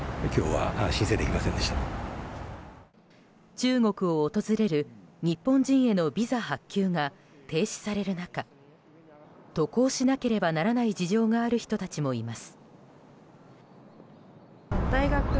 中国を訪れる日本人へのビザ発給が停止される中渡航しなければならない事情がある人たちもいます。